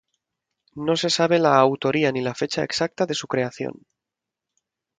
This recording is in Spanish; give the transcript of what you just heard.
No se sabe la autoría ni la fecha exacta de su creación.